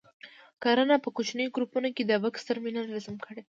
کړنه: په کوچنیو ګروپونو کې د بکس ترمینل رسم کړئ.